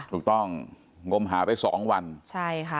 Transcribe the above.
ถูกต้องงมหาไป๒วันใช่ค่ะ